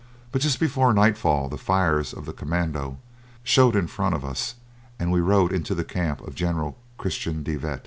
But just before nightfall the fires of the commando showed in front of us and we rode into the camp of General Christian De Wet.